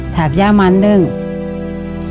ถากย่ามันเนี่ย